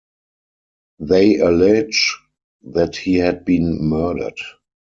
They allege that he had been murdered.